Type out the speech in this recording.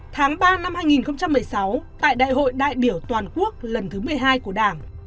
tháng ba năm hai nghìn một mươi sáu tại đại hội đại biểu toàn quốc lần thứ một mươi hai của đảng